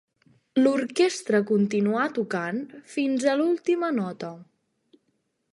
L'orquestra continuà tocant fins a l'última nota.